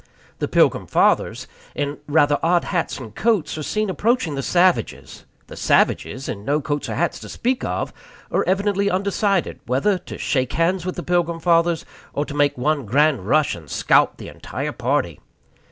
The Pilgrim Fathers, in rather odd hats and coats, are seen approaching the savages; the savages, in no coats or hats to speak of, are evidently undecided whether to shake hands with the Pilgrim Fathers or to make one grand rush and scalp the entire party.